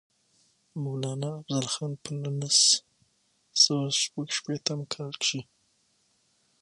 مولانا افضل خان پۀ نولس سوه شپږيشتم کال کښې